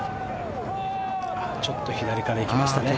ちょっと左から行きましたね。